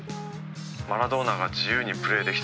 マラドーナが自由にプレー出来たのは」